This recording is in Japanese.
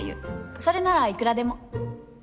それならいくらでも！